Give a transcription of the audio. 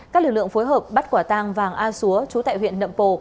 các lực lượng phối hợp bắt quả tang vàng a xúa chú tại huyện nậm pồ